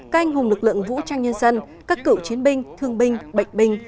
các anh hùng lực lượng vũ trang nhân dân các cựu chiến binh thương binh bệnh binh